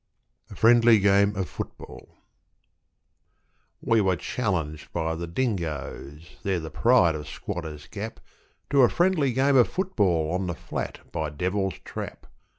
A FRIENDLY GAME OF FOOTBALL We were challenged by The Dingoes they're the pride of Squatter's Gap To a friendly game of football on the flat by Devil's Trap.